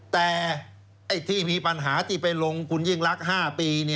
แต่ที่มีปัญหาที่ไปลงคุณยิ่งรัก๕ปี